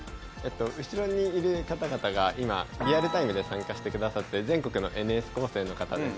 後ろにいる方々が今リアルタイムで参加してくださってる全国のＮＳ高生の方です。